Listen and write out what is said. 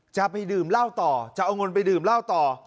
จะไปดื่มเหล้าต่อจะเอาเงินไปดื่มเหล้าต่อ